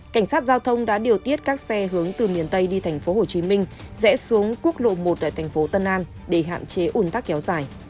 cảnh sát giao thông đã điều tiết các xe hướng từ miền tây đi tp hcm rẽ xuống quốc lộ một tại thành phố tân an để hạn chế ủn tắc kéo dài